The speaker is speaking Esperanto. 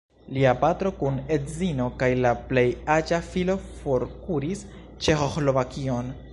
Lia patro kun edzino kaj la plej aĝa filo forkuris Ĉeĥoslovakion.